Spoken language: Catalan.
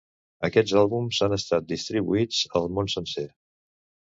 Aquests àlbums han estat distribuïts al món sencer.